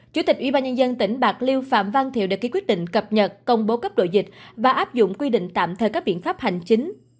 chủ tịch ubnd tỉnh bạc liêu phạm văn thiệu đã ký quyết định cập nhật công bố cấp độ dịch và áp dụng quy định tạm thời các biện pháp hành chính